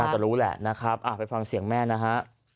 จะรู้แหละนะครับไปฟังเสียงแม่นะฮะ